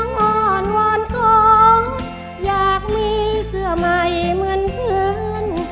น้องอ่อนว่อนกองอยากมีเสื้อใหม่เหมือนเพื่อน